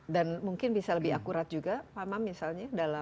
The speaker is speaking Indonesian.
dan mungkin bisa lebih akurat juga pak mam misalnya